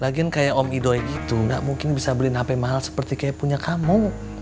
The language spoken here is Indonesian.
lagian kayak om idoi gitu gak mungkin bisa beliin hp mahal seperti kayak punya kamu